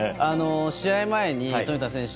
試合前に富田選手